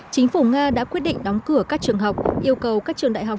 chính phủ nga đã quyết định đóng cửa các trường học yêu cầu các trường đại học